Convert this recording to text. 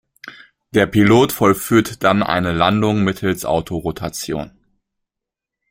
Der Pilot vollführt dann eine Landung mittels Autorotation.